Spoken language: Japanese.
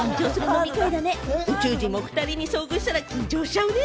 宇宙人もお２人に遭遇したら緊張しちゃうね。